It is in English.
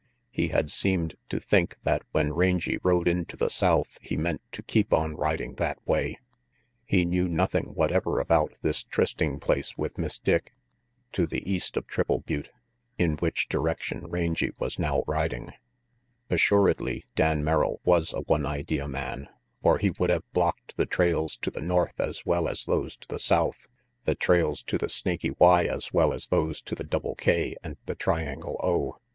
He had seemed to think that when Rangy rode into the south he meant to keep on riding that way. He knew nothing whatever about this trysting place with Miss Dick, to the east of Triple Butte, in which direction Rangy was now riding. 240 RANGY PETE Assuredly Dan Merrill was a one idea man, or he would have blocked the trails to the north as well as those to the south, the trails to the Snaky Y as well as those to the Double K and the Triangle O.